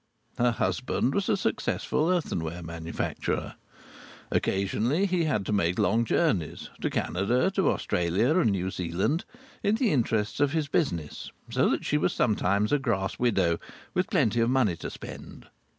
Her husband was a successful earthenware manufacturer. Occasionally he had to make long journeys to Canada, to Australia and New Zealand in the interests of his business; so that she was sometimes a grass widow, with plenty of money to spend.